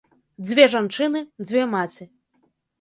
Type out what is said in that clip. Дзве жанчыны, дзве маці.